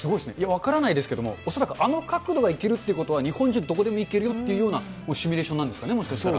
分からないですけれども、恐らくあの角度がいけるということは、日本中どこでも行けるよっていうようなシミュレーションなんですかね、もしかしたら。